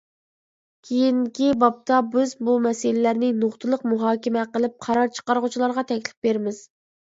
كېيىنكى بابتا، بىز بۇ مەسىلىلەرنى نۇقتىلىق مۇھاكىمە قىلىپ، قارار چىقارغۇچىلارغا تەكلىپ بېرىمىز.